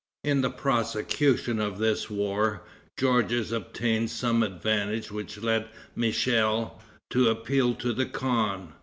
In the prosecution of this war, Georges obtained some advantage which led Michel to appeal to the khan.